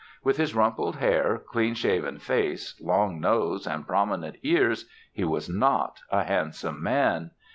With his rumpled hair, clean shaven face, long nose and prominent ears, he was not a handsome man.